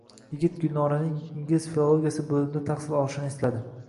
Yigit Gulnoraning ingliz filologiyasi boʼlimida tahsil koʼrishini esladi…